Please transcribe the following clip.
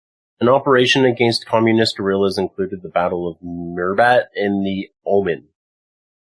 An operation against communist guerillas included the Battle of Mirbat in the Oman.